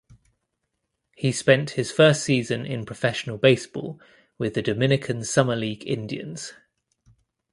He spent his first season in professional baseball with the Dominican Summer League Indians.